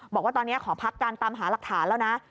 บอกว่าตอนนี้ขอพักการตามหาหลักฐานแล้วนะ